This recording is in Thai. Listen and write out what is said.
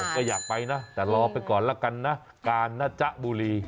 ก็อยากไปนะแต่รอไปก่อนแล้วกันนะกาญนะจ๊ะบุรี